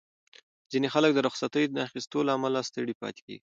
ځینې خلک د رخصتۍ نه اخیستو له امله ستړي پاتې کېږي.